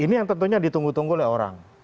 ini yang tentunya ditunggu tunggu oleh orang